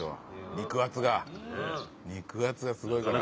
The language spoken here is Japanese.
肉厚がすごいから。